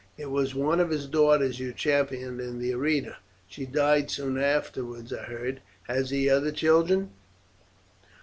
It was one of his daughters you championed in the arena. She died soon afterwards, I heard. Has he other children?"